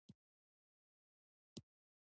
انګلیسي د سوداګرو ژبه ده